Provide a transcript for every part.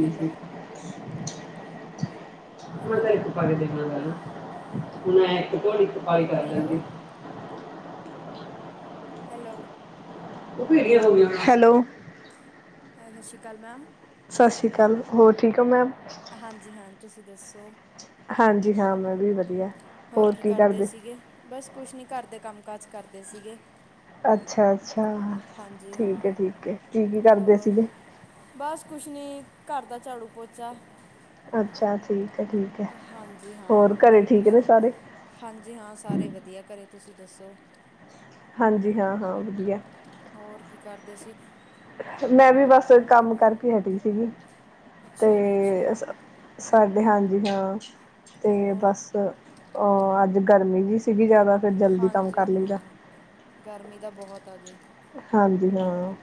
Hello [unintelligible] hello [unintelligible] ਹੁਣ ਘੋਲੀ hello [unintelligible] [unintelligible] hello. Hello. ਸਤਿ ਸ਼੍ਰੀ ਅਕਾਲ ਮੈਮ। ਸਤਿ ਸ਼੍ਰੀ ਅਕਾਲ ਹੋਰ ਠੀਕ ਹੋ ਮੈਮ। ਹਾਂਜੀ ਹਾਂ ਤੁਸੀਂ ਦੱਸੋ। ਹਾਂਜੀ ਹਾਂ ਮੈਂ ਵੀ ਵਧੀਆ। ਹੋਰ ਕੀ ਕਰਦੇ ਸੀਗੇ ਬਸ ਕੁਛ ਨੀ ਕਰਦੇ ਕੰਮ ਕਾਜ ਕਰਦੇ ਸੀਗੇ। ਅੱਛਾ। ਅੱਛਾ ਹਾਂਜੀ ਠੀਕ ਹੈ, ਹਾਂ ਠੀਕ ਹੈ। ਕੀ ਕੀ ਕਰਦੇ ਹੋਰ ਸੀਗੇ। ਬਸ ਕੁਛ ਨਹੀਂ ਘਰ ਦਾ ਝਾੜੂ ਪੋਚਾ ਅੱਛਾ ਠੀਕ ਹੈ ਠੀਕ ਹੈ ਹਾਂਜੀ ਹਾਂ ਘਰੇ ਹੋਰ ਠੀਕ ਨੇ ਤੁਸੀਂ ਸਾਰੇ ਹਾਂਜੀ ਹਾਂ। ਸਾਰੇ ਵਧੀਆ ਘਰੇ। ਤੁਸੀਂ ਦੱਸੋ। ਹਾਂਜੀ। ਹਾਂ, ਹਾਂ। ਵਧੀਆ। ਹੋਰ ਕੀ ਕਰਦੇ ਸੀ। ਮੈਂ ਵੀ ਬਸ ਕੰਮ ਕਰਕੇ ਹਟੀ ਸੀਗੀ ਅੱਛਾ ਜੀ ਤੇ ਅੱਛਾ ਸਾਡੇ ਹਾਂਜੀ। [unintelligible] ਅਤੇ ਹੋਰ ਬਸ। ਅ ਅੱਜ ਗਰਮੀ ਜਿ ਸੀਗੀ ਜਿਆਦਾ। ਹਾਂਜੀ ਹਾਂ ਗਰਮੀ ਦਾ ਬਹੁਤ ਤਾ ਜੀ। ਹਾਂਜੀ ਹਾਂ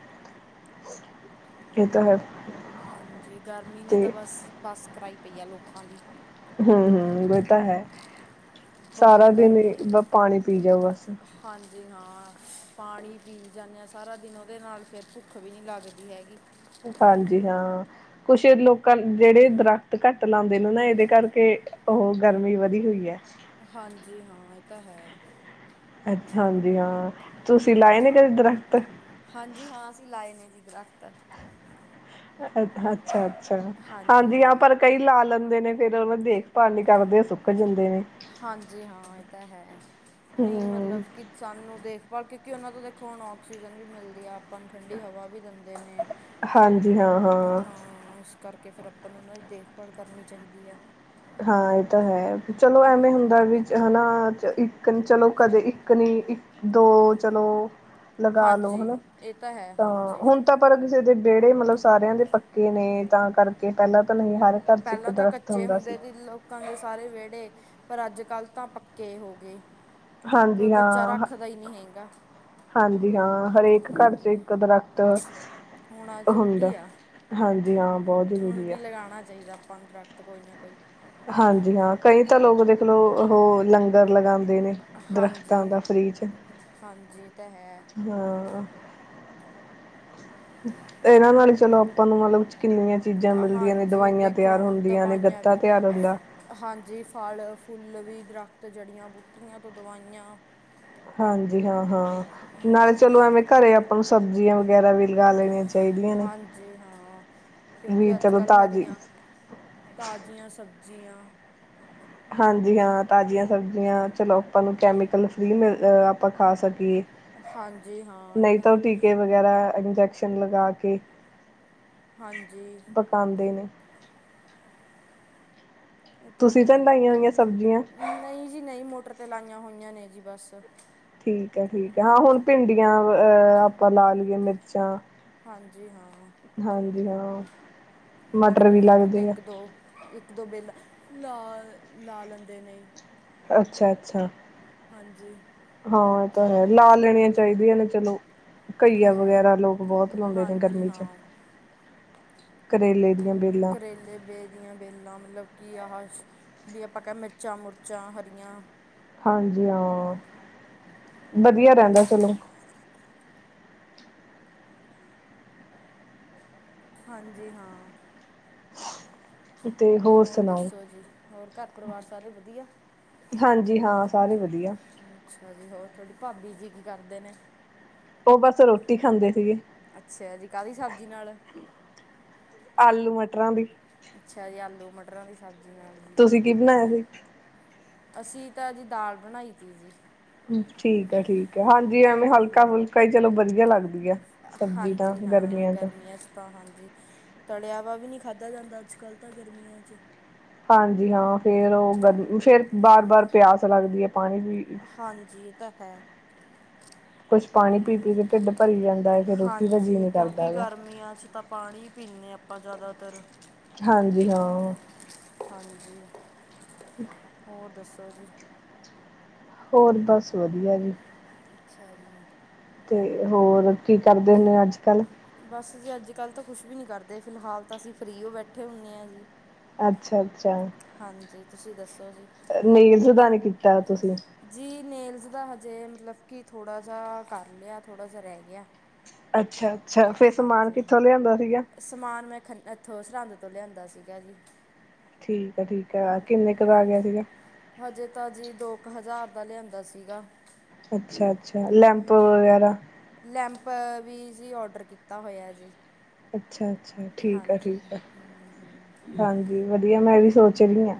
ਇਹ ਤਾਂ ਹੈ। ਹਾਂਜੀ। ਗਰਮੀ ਨੇ ਤੇ ਤਾਂ ਬਸ, ਬਸ ਕਰਾਈ ਪਈ ਆ ਲੋਕਾਂ ਦੀ। ਹਮ, ਹਮ। ਗਤਾ ਹੈ। ਸਾਰਾ ਬਹੁਤ ਦਿਨ ਗਰਮੀ ਪਾਣੀ ਪੀ ਜਾਓ ਬਸ ਜੀ ਹਾਂ ਪਾਣੀ ਪੀ ਜਾਂਦੇ ਹਾਂ ਸਾਰਾ ਦਿਨ ਉਹਦੇ ਨਾਲ ਫੇਿਰ ਭੁੱਖ ਵੀ ਨਹੀਂ ਲੱਗਦੀ ਹੈਗੀ। ਹਾਂਜੀ ਹਾਂ ਕੁਛ ਲੋਕਾਂ ਜਿਹੜੇ ਦਰਖਤ ਘੱਟ ਲਾਉਂਦੇ ਨੇ ਨਾ ਇਹਦੇ ਕਰਕੇ ਉਹ ਗਰਮੀ ਵਧੀ ਹੋਈ ਹੈ। ਹਾਂਜੀ ਹਾਂ। ਇਹ ਤਾਂ ਹੈ। ਹਾਂਜੀ ਹਾਂ। ਤੁਸੀਂ ਲਾਏ ਨੇ ਕਦੇ ਦਰਖਤ। ਦਰੱਖਤ ਅ ਅੱਛਾ, ਅੱਛਾ ਹਾਂਜੀ ਹਾਂ। ਪਰ ਕਈ ਲਾ ਲੈਂਦੇ ਨੇ। ਫੇਰ [unintelligible] ਦੇਖਭਾਲ ਨੀ ਕਰਦੇ ਸੁੱਕ ਜਾਂਦੇ ਨੇ। ਹਾਂਜੀ, ਹਾਂ, ਇਹ ਤਾਂ ਹੈ, ਨਹੀਂ ਹੂੰ ਮਤਲਬ ਕਿ ਸਾਨੂੰ [unintelligible] ਕਿ ਉਹਨਾਂ ਤੋਂ ਦੇਖੋ ਹੁਣ ਆਕਸੀਜਨ ਵੀ ਮਿਲਦੀ ਆ, ਆਪਾਂ ਨੂੰ ਠੰਡੀ ਹਵਾ ਵੀ ਦਿੰਦੇ ਨੇ। ਹਾਂਜੀ। ਹਾਂ, ਹਾਂ। ਇਸ ਕਰਕੇ ਫਿਰ ਅੱਪਾ ਨੂੰ ਉਹਨਾਂ ਦੀ ਦੇਖਭਾਲ ਕਰਨੀ ਚਾਹੀਦੀ ਹਾ ਹਾਂ, ਇਹ ਤਾਂ ਹੈ। ਚਲੋ ਐਵੇਂ ਹੁੰਦਾ ਵੀ ਹਨਾ ਇੱਕ ਨ ਚਲੋ ਕਦੇ ਇੱਕ ਨੀ ਇੱਕ ਦੋ ਚਲੋ ਲਗਾ ਲੋ ਹਾਂਜੀ ਹਨਾ। ਇਹ ਤਾਂ ਹੈ ਤਾਂ ਹਾਂਜੀ ਹੁਣ ਤਾਂ ਪਰ ਕਿਸੇ ਦੇ ਵਿਹੜੇ ਮਤਲਬ ਸਾਰਿਆਂ ਦੇ ਪੱਕੇ ਨੇ ਤਾਂ ਕਰ ਪਹਿਲਾਂ ਤਾਂ ਨਹੀਂ, ਹਰ ਘਰ ਚ ਇੱਕ ਦਰਖਤ ਹੁੰਦਾ ਸੀ ਕਾਂਗੇ ਸਾਰੇ ਵਿਹੜੇ, ਪਰ ਅੱਜ ਕੱਲ੍ਹ ਤਾਂ ਪੱਕੇ ਹੋ ਗਏ। ਕੋਈ ਹਾਂਜੀ ਕੱਚਾ ਹਾਂ ਰੱਖਦਾ ਹੀਈ ਨਿ ਹੈਗਾ। ਹਾਂਜੀ ਹਾਂ, ਹਰੇਕ ਘਰ ਚ ਹਾਂਜੀ ਇੱਕ ਦਰਖਤ ਹੋਣਾ ਹੁੰਦਾ, ਜ਼ਰੂਰੀ ਆ ਹਾਂਜੀ ਹਾਂ ਬਹੁਤ ਜ਼ਰੂਰੀ ਆ। ਦਰਖਤ ਕੋਈ ਨਾ ਕੋਈ ਹਾਂਜੀ। ਹਾਂ, ਕਈ ਤਾਂ ਲੋਕ ਦੇਖਲਓ, ਉਹ ਲੰਗਰ ਲਂਗਾ ਦੇ ਨੇ। ਦਰਖਤ ਆਉਂਦਾ ਹਾਂਜੀ ਫ੍ਰਰੀ ਚ। ਹਾਂਜੀ ਇਹ ਤਾਂ ਹੈ ਹਾਂ। ਇਹਨਾਂ ਨਾਲ ਹੀ ਚਲੋ ਆਪਾਂ ਨੂੰ ਮਲਬਲ਼ ਕਿੰਨੀਆਂ ਚੀਜ਼ਾਂ ਮਿਲਦੀਆਂ ਨੇ। ਹਾਂਜੀ ਦਵਾਈਆਂ ਦੇਖੋ ਤਿਆਰ ਹੁਣ ਹੁੰਦੀਆਂ ਨੇ, ਦਵਾਈਆਂ ਗੱਤਾ ਵੀ ਤਿਆਰ ਹੁੰਦਾ। ਹਾਂਜੀ ਫਲ ਫੁੱਲ ਵੀ, ਦਰੱਖਤ ਜੜੀਆਂ-ਬੂਟੀਆਂ ਤੋਂ ਦਵਾਈਆਂ ਹਾਂਜੀ। ਹਾਂ। ਹਾਂ। ਨਾਲੇ ਹਾਂ ਚਲੋ ਇਸ ਐਵੇਂ ਘਰੇ ਕਰਕੇ ਆਪਾਂ ਨੂੰ ਸਬਜ਼ੀਆਂ ਓਹ ਵੀ ਲਗਾ ਲੈਨੀ ਹੈ ਇੰਝ ਹਾਂਜੀ। ਹਾਂ, ਵੀ ਕਿਉਂਕਿ ਅੱਜ ਚਲੋ ਕੱਲ੍ਹ ਤਾਜ਼ੀ ਹਰੀਆਂ ਤਾਜ਼ੀਆਂ ਸਬਜ਼ ਜੀਆਂ ਹਾਂਜੀ ਹਾਂ। ਤਾਜ਼ੀਆਂ ਸਬਜ਼ੀਆਂ ਚਲੋ ਆਪਾਂ ਨੂੰ ਕੈਮੀਕਲ ਫ੍ਰਰੀ ਮਿਲਦਾ ਆਪਾਂ ਖਾ ਸਕੀਏ ਹਾਂਜੀ ਹਾਂ ਇਹ ਨਹੀਂ ਤਾਂ, ਹੈ ਉਹ ਟੀਕੇ ਵਗੈਰਾ ਇੰਜੈਕਟ ਲਗਾ ਕੇ ਹਾਂਜੀ ਪਕਾਂਦੇ ਨੇ। ਇਹ ਤਾਂ ਤੁਸੀਂ ਹੈ। ਲਾਈਆਂ ਹੋਈਆਂ ਸਬਜ਼ੀਆਂ ਨਹੀਂ ਜੀ, ਨਹੀਂ ਮੋਟਰ ਤੇ ਲਾਂਘ ਹੋਈਆਂ ਨੇ ਜੀ ਬਸ ਠੀਕ ਹੈ, ਠੀਕ ਹੈ। ਹਾਂ, ਹੁਣ ਭਿੰਡੀਆਂ ਅ ਆਪਾਂ ਲਾ ਲਈਏ ਮਿਰਚਾਂ ਜੀ ਹਾਂ। ਵੀ ਹਾਂਜੀ ਹ। ਮਤਲਬ ਮਟਰ ਕਿ ਮੋਟਰ ਤੇ ਇੱਕ ਦੋ ਇੱਕ ਦੋ ਬਿੱਲ ਲਾ-ਲਾ ਲੈਂਦੇ ਨੇ। ਅੱਛਾ ਅੱਛਾ ਹਨ ਜੀ ਹਾਂ ਇਹ ਲਾ ਲੈਣੀਆਂ ਚਾਹੀਦੀਆਂ ਨੇ ਚਲੋ ਇਹ ਤਾਂ ਘਈਆ ਹੈ ਵਗੈਰਾ ਲੋਕ ਬਹੁਤ ਹੀ ਲਾਉਂਦੇ ਨੇ ਹਾਂਜੀ ਗਰਮੀ 'ਚ ਹਾਂ ਕਰੇਲੇ ਦੀਆਂ ਵੇਲਾਂ ਕਰੇਲੇ ਬੇ ਦੀਆਂ ਵੇਲਾਂ ਮਤਲਬ ਕੀ ਆਹ ਵੀ ਆਪਾਂ ਕਹਿ ਮਿਰਚਾਂ ਮੁਰਚਾਂ ਹਰੀਆਂ ਹਾਂਜੀ ਹਾਂ ਵਧੀਆ ਰਹਿੰਦਾ ਚਲੋ ਹਨ ਜੀ ਹਾ ਤੇ ਹੋਰ ਸੁਣਾਓ ਦੱਸੋ ਜੀ ਹੋਰ ਘਰ ਪਰਿਵਾਰ ਸਾਰੇ ਵਧੀਆ ਹਾਂਜੀ ਹਾਂ ਸਾਰੇ ਵਧੀਆ ਅੱਛਾ ਜੀ ਹੋਰ ਤੁਥਹਾਡੀ ਭਾਬੀ ਜੀ ਕੀ ਕਰਦੇ ਨੇ ਉਹ ਬਸ ਰੋਟੀ ਖਾਂਦੇ ਸੀਗੇ ਅੱਛਾ ਜੀ ਕਾਹਦੀ ਸਬਜ਼ੀ ਨਾਲ ਆਲੂ ਮਟਰਾਂ ਦੀ ਅੱਛਾ ਜੀ ਆਲੂ ਮਟਰਾਂ ਦੀ ਸਬਜ਼ੀ ਨਾਲ ਜੀ। ਤੁਸੀਂ ਕੀ ਬਣਾਇਆ ਸੀ ਅਸੀਂ ਤਾਂ ਜੀ ਦਾਲ ਬਣਾਈ ਤੀ ਜੀ ਠੀਕ ਹੈ ਠੀਕ ਹੈ ਹਾਂਜੀ ਐਵੇਂ ਹਲਕਾ ਹਾਂਜੀ ਫੁਲਕਾ ਹੀ ਚਲੋ ਵਧੀਆ ਲੱਗਦੀ ਹੈ। ਸਬਜ਼ੀ ਤਾਂ ਹਾਂਜੀ ਹਾਂ ਗਰਮੀਆਂ ਚ ਤਾਂ ਹਾਂਜੀ ਤਲਿਆ ਵ ਵੀ ਨਹੀਂੀ ਖਾਦਾ ਜਾਂਦਾ ਤਾਂ ਅੱਜ ਕਲ ਗਰਮੀਆਂ ਵਿਚ ਹਾਂਜੀ ਹਾਂ ਫੇਰ ਉਹ ਗ ਫੇਰ ਬਾਰ ਬਾਰ ਪਿਆਸ ਲੱਗਦੀ ਹੈ ਪਾਣੀ ਦੀ ਹਾਂਜੀ ਇਹ ਤੇ ਹੈ ਵਿੱਚ ਪਾਣੀ ਪੀ ਪੀ ਕੇ ਢਿੱਡ ਭਰੀ ਜਾਂਦੀ ਹਾਂਜੀ ਕਿਉਂਕਿ ਗਰਮੀਆਂ ਚ ਤਾਂ ਪਾਣੀ ਪੀਂਦੇ ਆਪਾਂ ਜ਼ਿਆਦਾਤਰ ਹਾਂਜੀ ਹਾਂ ਹਾਂਜੀ ਹੋਰ ਦੱਸੋ ਬਸ ਜੀ ਹੋਰ ਬਸ ਵਧੀਆ ਜੀ। ਅੱਛਾ ਜੀ। ਤੇ ਹੋਰ ਕੀ ਕਰਦੇ ਨੇ ਅੱਜ ਕੱਲ। ਬਸ ਜੀ ਅੱਜ ਕੱਲ ਤਾਂ ਕੁਛ ਵੀ ਨੀ ਕਰਦੇ ਫਿਲਹਾਲ ਤਾਂ ਅਸੀਂ ਫਰੀ ਹੋ ਬੈਠੇ ਹੁੰਦੇ ਹੁੰਨੇ ਆ ਜੀ। ਅੱਛਾ ਅੱਛਾ। ਹਾਂਜੀ ਤੁਸੀਂ ਦੱਸੋ। ਜੀ ਨੀਲਸ ਦਾ ਨੀ ਕੀਤਾ ਤੁਸੀਂ। ਜੀ ਨੇਲਸ ਦਾ ਹਜੇ ਮਤਲਬ ਕਿ ਥੋੜਾ ਜਹਾ ਕਰ ਲਿਆ ਥੋੜਾ ਜਹਾ ਰਹਿ ਗਿਆ। ਅੱਛਾ। ਅੱਛਾ ਫੇਰ ਸਮਾਨ ਹਾਂਜੀ ਕਿੱਥੋਂ ਲਿਆਂਦਾ ਸੀਗਾ ਸਮਾਨ ਮੈਂ ਖੰਨਾ ਇਥੋਂ ਸਰਹਿੰਦ ਤੂੰ ਲਿਆਂਦਾ ਸੀਗਾ ਜੀ। ਠੀਕ ਹੈ ਠੀਕ ਆ ਕਿੰਨੇ ਕ ਦਾ ਗਿਆ ਹਾਂਜੀ ਸੀਗਾ। ਆਪਾ ਲਿਆਂਦਾ ਸੀਗਾ। ਅੱਛਾ, ਅੱਛਾ, ਲੈਂਪ ਵਗੈਰਾ। ਲੈਂਪ ਵੀ ਜੀ ਓਡਰ ਕੀਤਾ ਹੋਇਆ ਜੀ। ਅੱਛਾ, ਅੱਛਾ, ਠੀਕ ਆ, ਹਾਂਜੀ ਠੀਕ ਆ। ਹੂੰ ਹੂੰ ਹਾਂਜੀ। ਵਧੀਆ, ਮੈਂ ਵੀ ਸੋਚ ਰਹੀ ਹਾਂ।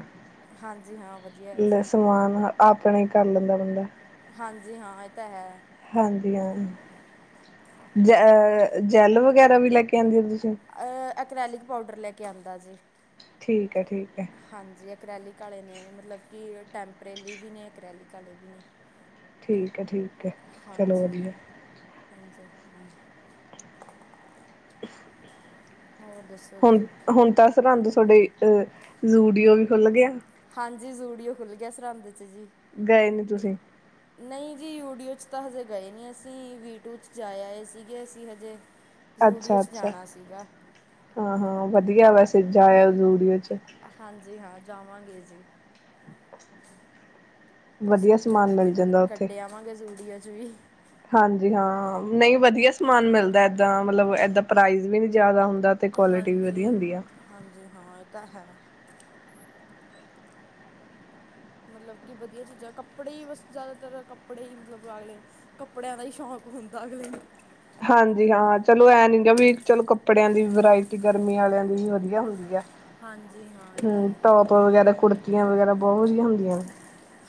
ਹਾਂਜੀ ਹਾਂ ਵਧੀਆ ਹੈ ਲੈ ਜੀ ਸਮਾਨ ਆਪ ਆਪਣਾ ਹੀ ਕਰ ਲੈਂਦਾ ਬੰਦਾ। ਹਾਂਜੀ, ਹਾਂ ਇਹ ਤਾਂ ਹੈ। ਹਾਂਜੀ ਹਾਂ ਜਹ ਜੈਲ ਵਗੈਰਾ ਵੀ ਲੈ ਕੇ ਆਉਂਦੇ ਹੋ ਤੁਸੀਂ। ਅ ਅਕ੍ਰਾਲਿਕ ਪਾਊਡਰ ਲੈ ਕੇ। ਕਿਆਂਦਾ ਜੀ। ਠੀਕ ਹੈ, ਠੀਕ ਹੈ। ਅ੍ਰੈਲਿਕ ਵਾਲੇ ਨੇ ਮਤਲਬ ਕਿ ਟੈਂਪਰੇਰੀ ਵੀ ਨੇ ਅਕ੍ਰੇਲਿਕ ਵਾਲੇ ਵੀ ਨੇ। ਠੀਕ। ਠੀਕ ਹੈ, ਠੀਕ ਹੈ। ਚਲੋ ਹਾਂਜੀ ਵਧੀਆ। ਹਾਂਜੀ, ਹਾਂ। ਹੋਰ ਦੱਸੋ [unintelligible] ਜੀ ਹੁਣ, ਹੁਣ ਤਾਂ ਸਰਹੰਦ ਤੁਹਾਡੇ ਅ ਜ਼ੂਡੀਓ ਵੀ ਖੁੱਲ੍ਹ ਗਿਆ। ਹਾਂਜੀ, ਜੂੜਓ ਖੁੱਲ ਗਿਆ ਸਰਹੰਦ। ਜੀ ਗਏ ਨੇ ਤੁਸੀਂ ਨਹੀਂ ਜੀ ਜ਼ਡੀਓ ਚ ਤਾਂ ਹਜੇ ਗਏ ਨੀ ਅਸੀਂ ਵੀਟੂ ਚ ਜਾਏ ਆਏ ਸੀਗੇ ਅਸੀਂ ਹਜੇ। ਜ਼ੂਡੀਓ ਅੱਛਾ, 'ਚ ਅੱਛਾ, ਜਾਣਾ ਸੀਗਾ ਹਾਂ, ਹਾਂ। ਵਧੀਆ ਬਸ। ਅਤੇ ਜਾਇਆ ਜੁਦਿਓ 'ਚ। ਹਾਂਜੀ, ਹਾਂ। ਜਾਵਾਂਗੇ ਜੀ। ਵਧੀਆ ਸਿਕਮਤ ਦਾ ਸਮਾਨ ਮਿਲ ਗੇੜਾ ਜਾਂਦਾ ਉੱਥੇ ਕੱਢਿਆਵਾਂਗੇ ਜੋੜਿਓ [unintelligible] ਹਾਂਜੀ, ਹਾਂ। ਨਹੀਂ ਵਧੀਆ ਸਮਾਨ ਮਿਲਦਾ ਏਦਾਂ ਮਤਲਬ ਏਦਾਂ ਪ੍ਰਾਈਜ਼ ਵੀ ਨਹੀਂ ਜਿਆਦਾ ਹੁੰਦਾ। ਤੇ ਕੁਆਲਿਟੀ ਵੀ ਵਧੀਆ ਹਾਂਜੀ, ਹੁੰਦੀ ਆ ਹਾਂਜੀ ਹਾਂ ਇਹ ਤਾਂ ਹੈ। ਮਤਲਬ ਕਿ ਵਧੀਆ ਚੀਜ਼ਾਂ, ਕੱਪੜੇ ਹੀ ਬਸ ਜ਼ਿਆਦਾਤਰ ਕੱਪੜੇ ਹੀ ਮਤਲਬ ਅਗਲੇ ਕੱਪੜਿਆਂ ਦਾ ਹੀ ਸ਼ੌਂਕ ਹੁੰਦਾ ਅਗਲੇ ਨੂੰ। ਹਾਂਜੀ, ਹਾਂ। ਚਲੋ ਐ ਨੀ ਗ ਵੀ ਚਲੋ ਕੱਪੜਿਆਂ ਦੀ ਵਰਾਇਟੀ ਗਰਮੀ ਵਾਲਿਆਂ ਦੀ। ਵਧੀਆ ਹੁੰਦੀ ਆ। ਹਾਂਜੀ ਹਾਂ ਇਹ ਤਾਂ ਹਮ ਹੈ। ਟੋਪ ਵਗੈਰਾ, ਕੁੜਤੀਆਂ ਵਗੈਰਾ ਬਹੁਤ ਵਧੀਆ। ਹੁੰਦੀਆਂ ਨੇ।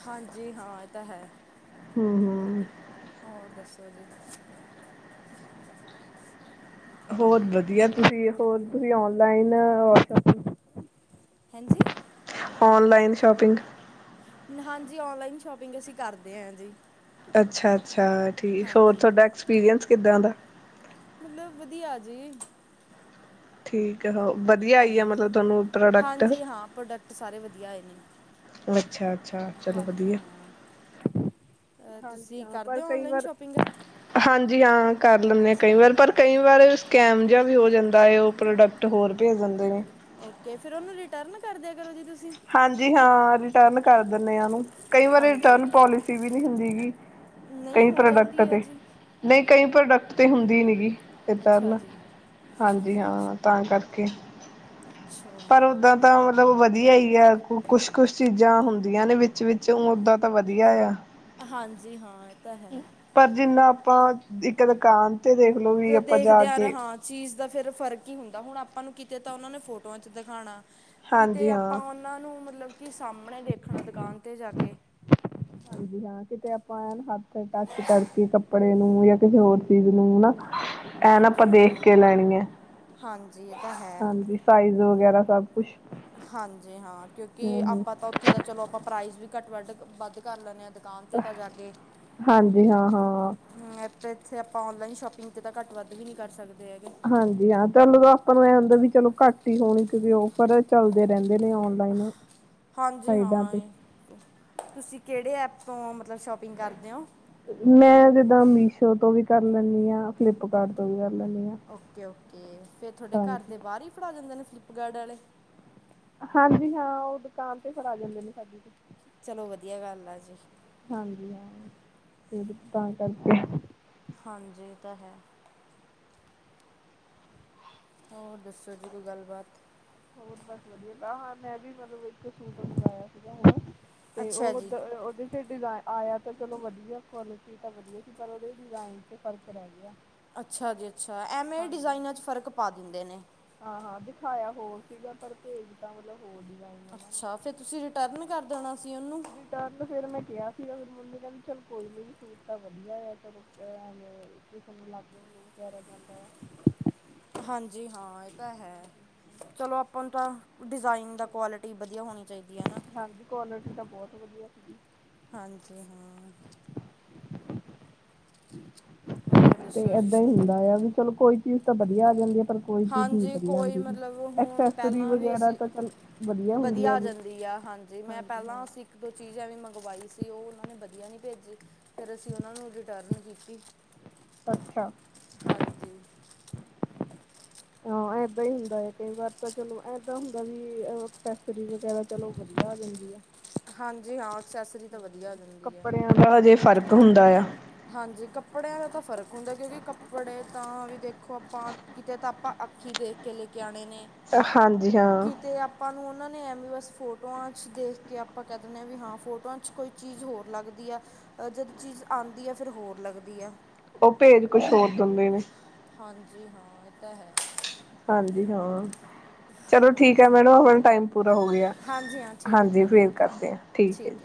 ਹਾਂਜੀ, ਹਾਂ, ਇਹ ਤਾਂ ਹੈ, ਹੂੰ ਹੂੰ ਹੋਰ ਦੱਸੋ ਜੀ। ਹੋਰ, ਵਧੀਆ। ਜੀ ਹੋਰ ਤੁਸੀਂ ਆਉਣ। ਲਈਨ ਵਸਪ ਹਾਂਜੀ ਔਨਲਾਈਨ ਸ਼ੋਪਿੰਗ ਹਾਂਜੀ। ਓਨਲਾਈਨ ਸ਼ੋਪਿੰਗ ਅਸੀਂ ਕਰਦੇ ਹ ਜੀ। ਅੱਛਾ ਅੱਛਾ ਠੀਕ ਹੋਰ ਹਾਂਜੀ। ਤੁਹਾਡਾ ਐਕਸਪੀਰੀਅੰਸ ਕਿੱਦਾਂ ਦਾ। ਮਤਲਬ ਵਧੀਆ ਜੀ। ਠੀਕ। ਆ ਵਧੀਆ ਆਈ ਆ ਹਾਂਜੀ ਮਤਲਬ ਤੁਹਾਨੂੰ ਪ੍ਰੋਡਕਟ ਹਾਂਜੀ ਹਾਂ ਪ੍ਰੋਡਕਟ ਸਾਰੇ ਵਧੀਆ ਆਏ ਨੇ। ਅੱਛਾ, ਅੱਛਾ। ਚਲੋ ਹਾਂਜੀ ਵਧੀਆ। ਹਾਂ। ਹਾਂਜੀ ਤੁਸੀਂ ਹਾਂ ਪਰ ਕਰਦੇ ਹੋ ਕਈ ਔਨਲਾਈਨ ਵਾਰ ਸ਼ੋਪਿੰਗ? ਹਾਂਜੀ ਹਾਂ ਕਰ ਲੈਂਦੇ ਹ ਕਈ ਅੱਛਾ। ਵਾਰ ਪਰ ਕਈ ਵਾਰ ਸਕੈਮ ਵੀ ਹੋ ਜਾਂਦਾ ਹੈ। ਉਹ ਪ੍ਰੋਡਕਟ ਹੋਰ ਭੇਜ ਦਿੰਦੇ ਨੇ। ਓਕੇ ਫਿਰ ਉਹਨੂੰ ਰਿਟਰਨ ਕਰਦੇ ਹਾਂਜੀ ਹਾਂ ਰਿਟਰਨ ਕਰ ਦਿੰਦੇ ਆਾਂ ਨੂੰ ਕਈ ਵਾਰੀ ਹਾਂਜੀ। ਰਿਟਰਨ ਪੋਲਿਸੀ ਵੀ ਨਹੀਂ ਹੁੰਦੀ ਗ ਨਹੀਂ ਕਈ ਹੋ ਪ੍ਰੋਡਕਟ ਜਾਂਦੀ ਹੈ ਤੇ ਜੀ ਨਹੀਂ ਕਈ ਪ੍ਰੋਡਕਟ ਤਾਂ ਹੁੰਦੀ ਨਹੀਂ ਗਗੀ। ਇਧਰ ਅੱਛਾ ਨਾ ਜੀ ਅੱਛਾ ਹਾਂਜੀ ਜੀ ਅੱਛਾ ਹਾਂ ਤਾਂ ਕਰ ਓਕੇ। ਅੱਛਾ ਪਰ ਓਦਾਂ ਤਾਂ [unintelligible] ਵਧੀਆ ਹੀਈ ਆ ਕੁ ਕੁਛ, ਕੁਛ ਚੀਜ਼ਾਂ ਹੁੰਦੀਆਂ ਨੇ ਵਿੱਚ ਵਿੱਚ ਓਦਾਂ ਤਾਂ ਵਧੀਆ ਆ। ਹਾਂਜੀ ਹਾਂ। ਇਹ ਤਾਂ ਹੈ। ਪਰ ਜਿੰਨਾ ਆਪਾਂ ਇੱਕ ਦੁਕਾਨ ਤੇ ਦੇਖਲੋ ਵੀ ਤੇ ਆਪਾਂ ਜਾ ਦੇਖਦੇ ਯਾਰ ਕੇ ਹਾਂ ਚੀਜ਼ ਦਾ ਫੇਿਰ ਫ਼ਰਕ ਹੀ ਹੁੰਦਾ ਹੁਣ ਆਪਾਂ ਨੂੰ ਤਾਂ ਉਹਨਾਂ ਨੇ ਫੋਟੋਆਂ ਚ ਦਿਖਾਉਣਾ ਕਿਤੇ ਹਾਂਜੀ ਹਾਂ ਆਪਾਂ ਉਹਨਾਂ ਨੂੰ ਮਤਲਬ ਕੀ ਸਾਹਮਣੇ ਦੇਖਣਾ ਦੁਕਾਨ ਤੇ ਜਾ ਕੇ। ਹਾਂਜੀ ਹਾਂ। ਕਿਤੇ ਆਪਾਂ ਐ ਹੱਥ ਟੱਚ ਕਰਕੇ ਕੱਪੜੇ ਨੂੰ ਜਾਂ ਕਿਸੇ ਹੋਰ ਚੀਜ਼ ਨੂੰ ਹਨ ਐ ਨਾ ਆਪਾਂ ਹਾਂਜੀ ਦੇਖ ਹਾਂ ਕੇ ਲੈਣੀ ਹੈ ਹਾਂਜੀ ਇਹ ਤਾਂ ਹੈ ਹਾਂਜੀ ਸਾਈਜ਼ ਵਗੈਰਾ ਸਭ ਕੁੱਛ ਹਾਂਜੀ ਹਾਂ ਕਿਉਂਕਿ ਆਪਾਂ ਤਾਂ ਉੱਥੇ ਤਾਂ ਚਲੋ ਆਪਾਂ ਪ੍ਰਾਈਜ਼ ਵੀ ਘੱਟ, ਵੱਧ, ਵੱਧ ਕਰ ਲੈਂਦੇ ਹਾਂ। ਦੁਕਾਨ ਤੇ ਤਾਂ ਜਾਗੇ ਹਾਂਜੀ ਹਾਂ ਹਾਂ ਹਮ ਇੱਥੇ ਆਪਾਂ ਨਲਾਈ ਸ਼ੋਪਿੰਗ ਤੇ ਤਾਂ ਘੱ ਵੱਧ ਵੀ ਨ ਨਹੀਂ ਕਰ ਸਕਦੇ। ਹੈਗੇ ਹਾਂਜੀ ਹਾਂ ਚੱਲ ਤਾਂ ਆਪਾਂ ਨੂੰ ਇਹ ਹੁੰਦਾ ਵੀ ਚਲੋ ਘੱਟ ਹੀ ਹੋਣੀ ਕਿਉਂਕਿ ਔਫਰ ਚੱਲਦੇ ਰਹਿੰਦੇ ਨੇ ਨਲਾਈਨ ਹਾਂਜੀ ਹਾਂ ਤੁਸੀਂ ਕਿਹੜੇ ਐਪ ਤੋਂ ਮਤਲਬ ਸ਼ੋਪਿੰਗ ਕਰਦੇ ਹੋ ਮੈਂ ਜਿੱਦਾਂ ਮੀਸ਼ੋ ਤੋਂ ਵੀ ਕਰ ਲੈਂਦੀ ਹਾਂ ਓ ਫਲਿੱਪਕਾਰਟ ਤੋਂ ਵੀ ਕਰ ਲੈਂਦੀ ਹਾਂ ਓਕੇ ਓਕੇ ਫੇਰ ਤੁਹਾਡੇ ਘਰ ਹਾਂਜੀ ਦੇ ਬਾਹਰ ਹੀ ਫੜਾ ਜਾਂਦੇ ਨੇਪ ਗਡਾਲੇ ਹਾਂਜੀ ਹਾਂ ਉਹ ਦੁਕਾਨ ਤੇ ਖੁਲਾ ਜਾਂਦੇ ਨੇ ਸਾਡੀ ਤੇ ਚਲੋ ਵਧੀਆ ਗੱਲ ਆ ਜੀ ਫ ਤਾਂ ਕਰਕੇ ਹਾਂਜੀ ਤਾਂ ਹੈ ਹੋਰ ਦੱਸੋ ਜੀ ਕੋਈ ਗੱਲਬਾਤ। ਹੋਰ ਬਸ ਵਧੀਆ ਹਾਂ ਮੈਂ ਵੀ ਮਤਲਬ ਇੱਕ ਸੂਟ ਮੰਗਇਆ ਸੀਗਾ। ਤੇ ਅੱਛਾ ਉਹਦ ਜੀ ਉਹਦੇ ਫਿਰ ਡਿਜ਼ ਆਇਆ ਤਾਂ ਚਲੋ ਵਧੀਆ ਕੁਆਲਿਟੀ ਤਾਂ ਵਧੀਆ ਸੀ ਪਰ ਉਹਦੇ ਡਿਜ਼ਾਇਨ ਤੇ ਫ਼ਰਕ ਰਹਿ ਗਿਆ। ਅੱਛਾ ਜੀ ਅ ਐਵੇਂ ਹਾਂਜੀ ਡਿਜ਼ਾਇਨਾਂ ਚ ਫ਼ਰਕ ਪਾ ਦਿੰਦੇ ਨੇ। ਬਠਾਇਆ ਹੋਰ ਸੀਗਾ ਪਰ ਭੇਜ ਤਾਂ ਮਤਲਬ ਹੋਰ। ਡਿਜ਼ਾਇਨ ਉਹਨਾਂ ਨੇ ਅੱਛਾ ਫਿਰ ਤੁਸੀਂ ਰਿਟਰਨ ਕਰ ਦੇਣਾ। ਸੀ ਉਹਨੂੰ ਰਿਟਰਨ ਫੇਰ ਮੈਂ ਕਿਹਾ ਸੀਗਾ। ਮੰਮੀ ਕਹਿੰਦੀ ਚਲ ਕੋਈ ਨਹੀਂ ਸੂਟ ਤਾਂ ਵਧੀਆ ਹੈ [inaudible] ਹਾਂਜੀ ਹਾਂ ਇਹ ਤਾਂ ਹੈ ਚਲੋ ਅਪਾ ਨੂੰ ਤਾਂ ਡਿਜ਼ਾਇਨ ਦਾ ਕੁਆਲਿਟੀ ਵਧੀਆ ਹੋਣੀ ਚਾਹੀਦੀ ਏ ਨਾ। ਹਾਂਜੀ ਕੁਆਲਿਟੀ [inaudible] [inaudible] ਹੋਰ ਤੇ ਦੱਸੋ ਜੀ ਏਦਾਂ ਹੀ ਹੁੰਦਾ ਆ ਵੀ ਚਲੋ ਕੋਈ। ਚੀਜ਼ ਤਾਂ ਵਧੀਆ ਆ ਜਾਂਦੀ ਏ ਕੋਈ ਚੀਜ਼ ਨ ਹਾਂਜੀ ਵਧੀਆ ਕੋਈ ਆਂਦੀ ਮਤਲਬ ਹੁਣ ਅਕਸਸੇਰੀ ਪਹਿਲਾਂ ਵੀ ਵਗੈਰਾ ਅਸੀਂ ਤਾਂ ਚੱਲ ਵਧੀਆ ਆ ਜਾਂਦੀ ਆ ਹਾਂਜੀ ਮੈਂ ਪਹਿਲਾਂ ਅਸੀਂ ਇੱਕ ਦੋ ਚੀਜ਼ ਐਵੇਂ ਮੰਗਵਾਈ ਸੀ। ਉਹ ਉਹਨਾਂ ਨੇ ਵਧੀਆ ਨੀ ਭੇਜੀ ਫਿਰ ਅਸੀਂ ਉਹਨਾਂ ਨੂੰ ਰਿਟਰਨ ਕੀਤੀ ਅੱਛਾ ਹਾਂਜੀ ਹਾਂ ਏਦਾਂ ਈ ਹੁੰਦਾ ਏ ਕਈ ਵਾਰ ਤਾਂ ਚਲੋ ਏਦਾਂ ਹੁੰਦਾ ਵੀ ਏ ਅਕਸਸੇਰੀ ਵਗੈਰਾ ਚਲੋ ਵਧੀਆ ਆ ਜਾਂਦੀ ਆ। ਹਾਂਜੀ ਹਾਂ ਐਕਸੈਸਰੀ ਤਾਂ ਵਧੀਆ ਆ ਜਾਂਦੀ ਏ। ਕੱਪੜਿਆਂ ਦਾ ਹਜੇ ਫ਼ਰਕ ਹੁੰਦਾ ਆ ਹਾਂਜੀ ਕੱਪੜਿਆਂ ਦਾ ਤਾਂ ਫ਼ਰਕ ਹੁੰਦਾ ਏ ਕਿਉਂਕਿ ਕੱਪੜੇ ਤਾਂ ਦੇਖੋ ਆਪਾਂ ਕਿਤੇ ਤਾਂ ਆਪਾਂ ਅੱਖੀ ਦੇਖ ਕੇ ਲੇ ਕੇ ਆਨੇ [unintelligible] ਹਾਂਜੀ ਹਾਂ ਕਿਤੇ ਆਪਾਂ ਨੂੰ ਉਹਨਾਂ ਨੇ ਐਵੇ ਬਸ ਫੋਟੋਆਂ ਚ ਦੇਖ ਕੇ ਆਪਾਂ ਕਹਿ ਦਿੰਨੇ ਹਾਂ ਵੀ ਹਾਂ ਫੋਟੋਆਂ ਚ ਕੋਈ ਚੀਜ਼ ਹੋਰ ਲੱਗਦੀ ਆ ਜਦ ਚੀਜ਼ ਆਂਦੀ ਲੱਗਦੀ ਏ ਫਿਰ ਹੋਰ ਲੱਗਦੀ ਆ। ਉਹ ਭੇਜ ਕੁਛ ਹੋਰ ਦਿੰਦੇ ਨੇ [unintelligible] ਹਾਂਜੀ, ਹਾਂ ਚਲੋ ਠੀਕ ਹੈ। ਹਾਂਜੀ ਮੈਡਮ ਹੁਣ ਟਾਈਮ ਪੂਰਾ ਹੋ ਗਿਆ। ਹਾਂਜੀ ਹਾਂ ਠੀਕ ਹੈ ਹਾਂਜੀ, ਥੈਂਕ ਫੇਰ ਯੂ ਕਰਦੇ ਆ ਠੀਕ ਏ।